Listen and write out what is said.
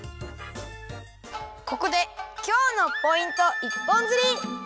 ここで今日のポイント一本釣り！